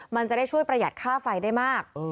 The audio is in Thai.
มันจะได้ช่วยประหยัดค่าไฟได้มาก